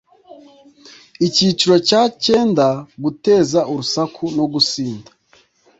icyiciro cya cyenda guteza urusaku no gusinda